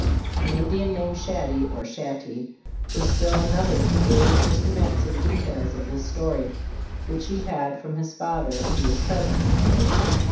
An Indian named Shaddy (or Shaty) was still another who gave Mr. Matson details of this story, which he had from his father, who was present.